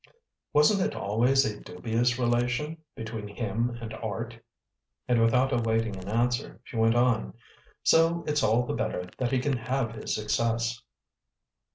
"Wasn't it always a dubious relation between him and art?" And without awaiting an answer, she went on, "So it's all the better that he can have his success!"